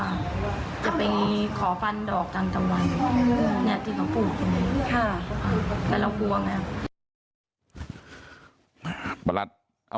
เราก็เลยถามว่าไปไหนเขาก็บอกว่า